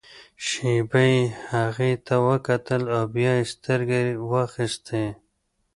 شېبه يې هغې ته وکتل او بيا يې سترګې واخيستې.